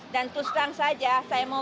dan terus terang saja saya mau